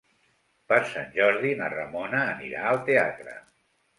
Per Sant Jordi na Ramona anirà al teatre.